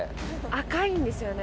赤いんですよね